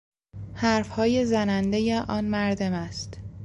حرفهای زنندهی آن مرد مست